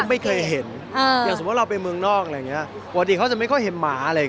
ไอ้อย่างสมมติว่าเราไปเมืองนอกโดยมันก็ไม่ค่อยเห็นมันหรอก